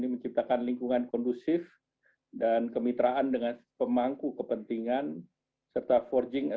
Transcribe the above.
menciptakan lingkungan kondusif dan kemitraan dengan pemangku kepentingan serta empat g